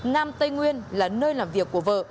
nam tây nguyên là nơi làm việc của vợ